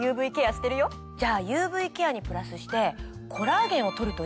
じゃあＵＶケアにプラスしてコラーゲンを取るといいよ。